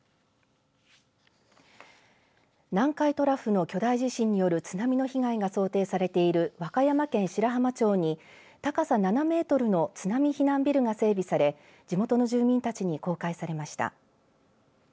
南海トラフの巨大地震による津波の被害が想定されている和歌山県白浜町に高さ７メートルの津波避難ビルが整備され地元の住民たちに公開されました。